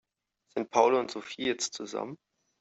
Sind Paul und Sophie jetzt zusammen?